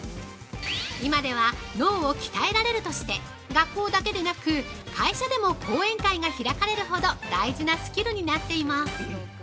◆今では、脳を鍛えられるとして学校だけでなく会社でも講演会が開かれるほど大事なスキルになっています。